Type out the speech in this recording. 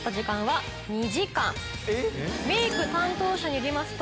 メーク担当者によりますと。